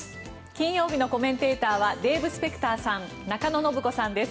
金曜日のコメンテーターはデーブ・スペクターさん中野信子さんです。